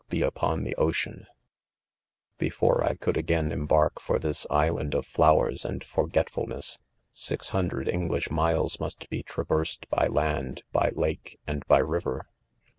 fee upon the ocean* 1 Before I could again embark for this island ©f flowers and forgetftilness, six" hundred En glish miles must be traversed by land, by lake, and 'hj riyer.